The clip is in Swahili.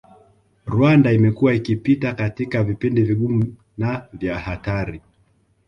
Rwanda imekuwa ikipita katika vipindi vigumu na vya hatari